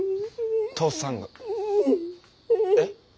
父さんが。え？